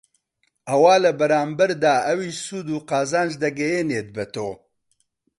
ئەوا لە بەرامبەردا ئەویش سوود و قازانج دەگەیەنێت بەتۆ